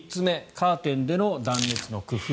カーテンでの断熱の工夫。